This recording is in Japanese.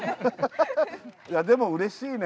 いやでもうれしいね。